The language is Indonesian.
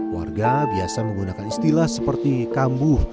warga biasa menggunakan istilah seperti kambuh